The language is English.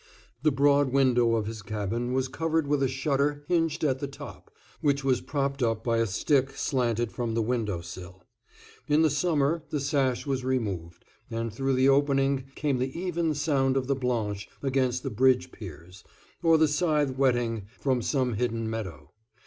The broad window of his cabin was covered with a shutter hinged at the top, which was propped up by a stick slanted from the window sill. In the summer the sash was removed, and through the opening came the even sound of the Blanche against the bridge piers, or the scythe whetting from some hidden meadow.